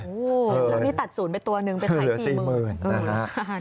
แล้วนี่ตัดศูนย์ไปตัวหนึ่งไปไทย๔๐๐๐๐บาทนะฮะ